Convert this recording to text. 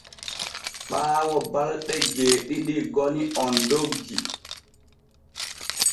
Ɓaawo balɗe jeeɗiɗi goni on doggi.